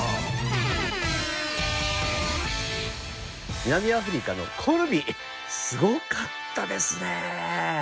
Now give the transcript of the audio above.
南アフリカのコルビすごかったですね。